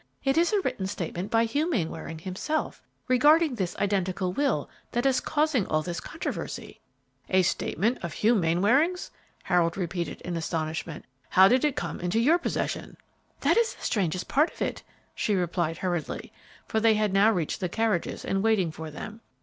It is a written statement by Hugh Mainwaring himself regarding this identical will that is causing all this controversy." "A statement of Hugh Mainwaring's!" Harold repeated in astonishment; "how did it come into your possession?" "That is the strangest part of it," she replied, hurriedly, for they had now reached the carriages in waiting for them.